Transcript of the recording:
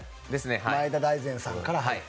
前田大然さんから入って。